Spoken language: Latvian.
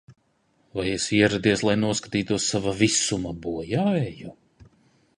Vai esi ieradies, lai noskatītos sava visuma bojāeju?